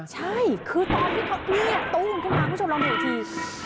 ตู้มขึ้นมาคุณผู้ชมลองดูอีกที